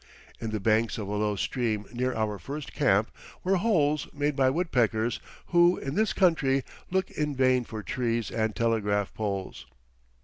In the banks of a low stream near our first camp were holes made by woodpeckers, who in this country look in vain for trees and telegraph poles.